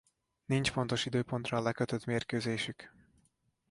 Nincs pontos időpontra lekötött mérkőzésük.